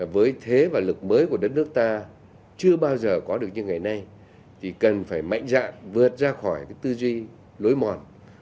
với thế và lực mới của đất nước ta chưa bao giờ có được như ngày nay thì cần phải mạnh dạn vượt ra khỏi tư duy lối mòn